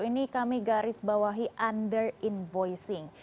ini kami garis bawahi under invoising